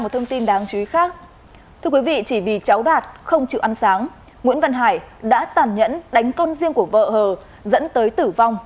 thưa quý vị chỉ vì cháu đạt không chịu ăn sáng nguyễn văn hải đã tàn nhẫn đánh con riêng của vợ hờ dẫn tới tử vong